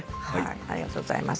ありがとうございます。